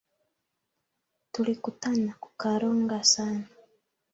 Tulikutana kukaronga sana